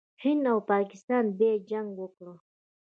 هند او پاکستان بیا جنګ وکړ.